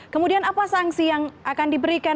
kemudian apa sanksi yang akan diberikan